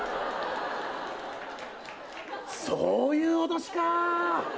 そういう脅しか。